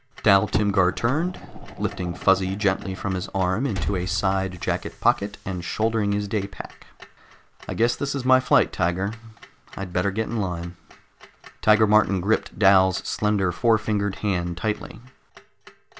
Dal Timgar turned, lifting Fuzzy gently from his arm into a side jacket pocket and shouldering his day pack. "I guess this is my flight, Tiger. I'd better get in line." Tiger Martin gripped Dal's slender four fingered hand tightly.